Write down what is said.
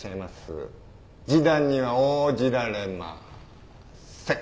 示談には応じられません。